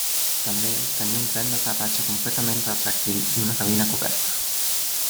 També tenia un tren d'aterratge completament retràctil i una cabina coberta.